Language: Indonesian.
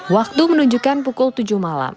waktu menunjukkan pukul tujuh malam